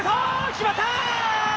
決まった！